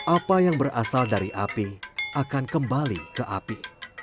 apa yang berasal dari api akan kembali ke api